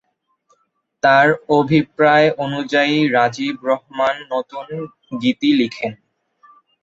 তার অভিপ্রায় অনুযায়ী রাজীব রহমান নতুন গীতি লিখেন।